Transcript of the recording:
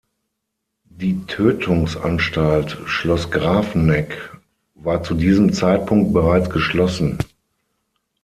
Die Tötungsanstalt Schloss Grafeneck war zu diesem Zeitpunkt bereits geschlossen.